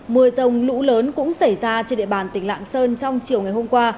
mưa rông lũ lớn cũng xảy ra trên địa bàn tỉnh lạng sơn trong chiều ngày hôm qua